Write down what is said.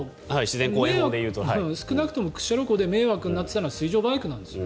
少なくとも屈斜路湖で迷惑になっていたのは水上バイクなんです。